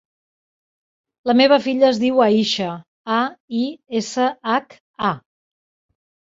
La meva filla es diu Aisha: a, i, essa, hac, a.